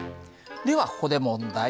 ではここで問題。